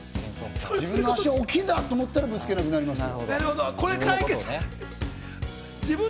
自分の足は大きいんだと思ったら、ぶつけなくなります。